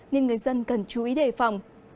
nên người dân cần chú ý đề phòng